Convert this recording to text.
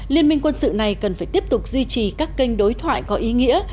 liên minh quân sự này cần phải tiếp tục duy trì các kênh đối thoại có ý nghĩa